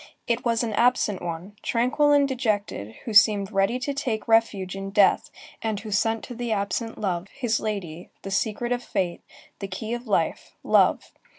It was an absent one, tranquil and dejected, who seemed ready to take refuge in death and who sent to the absent love, his lady, the secret of fate, the key of life, love.